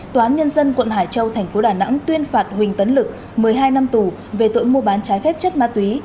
tòa án nhân dân quận hải châu thành phố đà nẵng tuyên phạt huỳnh tấn lực một mươi hai năm tù về tội mua bán trái phép chất ma túy